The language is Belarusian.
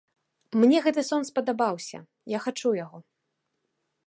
Мне гэты сон спадабаўся, я хачу яго.